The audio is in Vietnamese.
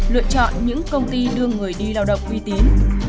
lựa chọn những công ty đưa người đi lao động uy tín